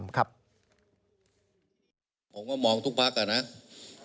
ผมว่ามองทุกภาค